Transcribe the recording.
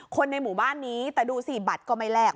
คนในหมู่บ้านนี้แต่ดูสิบัตรก็ไม่แลก